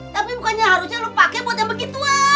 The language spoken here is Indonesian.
tapi bukannya harusnya lu pake buat yang begituan